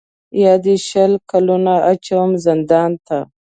یا دي شل کلونه اچوم زندان ته